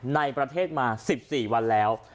ในประเทศมา๑๔วันแล้ว